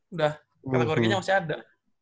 udah kategorinya masih ada